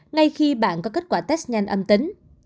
ngay khi bạn có kết quả test nhanh âm tính